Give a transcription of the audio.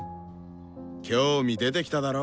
興味出てきただろ？